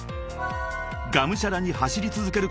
［がむしゃらに走り続けること２年］